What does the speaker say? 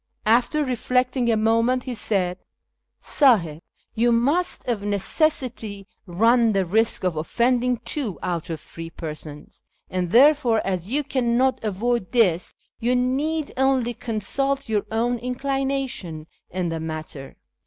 After reflecting a moment, he said, " Sdhih, you must of necessity run the risk of offending two out of three persons, and therefore, as you cannot avoid this, you need only consult your own inclination in the matter.